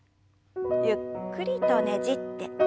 ゆっくりとねじって。